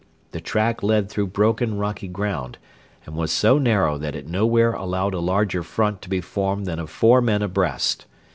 The track led through broken rocky ground, and was so narrow that it nowhere allowed a larger front to be formed than of four men abreast.